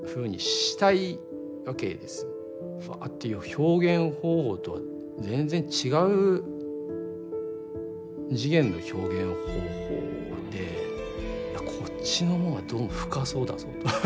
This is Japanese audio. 「ワ」っていう表現方法とは全然違う次元の表現方法でいやこっちの方がどうも深そうだぞとか。